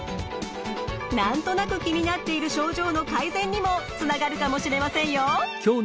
何となく気になっている症状の改善にもつながるかもしれませんよ。